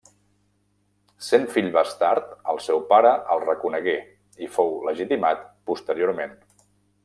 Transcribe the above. Sent fill bastard el seu pare el reconegué i fou legitimitat posteriorment.